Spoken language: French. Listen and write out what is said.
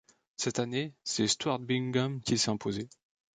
Cette année, c'est Stuart Bingham qui s'est imposé.